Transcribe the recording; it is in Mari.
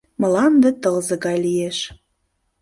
Мланде Тылзе гай лиеш...